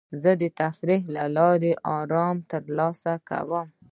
زه د تفریح له لارې ارام ترلاسه کوم.